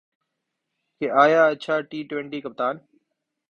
کہ آیا اچھا ٹی ٹؤنٹی کپتان